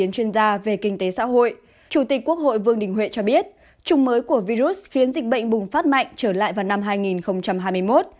chủ tịch quốc hội vương đình huệ cho biết trùng mới của virus khiến dịch bệnh bùng phát mạnh trở lại vào năm hai nghìn hai mươi một